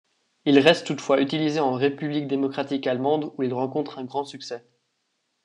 Il reste toutefois utilisé en République démocratique allemande, où il rencontre un grand succès.